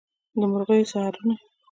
د مرغیو سحرونه